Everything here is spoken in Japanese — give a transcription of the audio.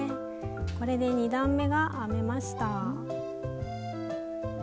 これで２段めが編めました。